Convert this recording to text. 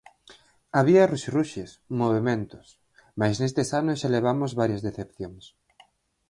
Había ruxerruxes, movementos... mais nestes anos xa levamos varias decepcións.